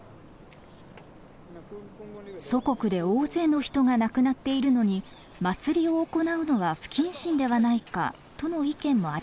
祖国で大勢の人が亡くなっているのに祭りを行うのは不謹慎ではないかとの意見もありました。